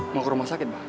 mau ke rumah sakit pak